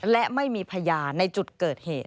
และไม่มีพยานในจุดเกิดเหตุ